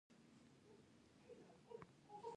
چین له ډالر سره سیالي کوي.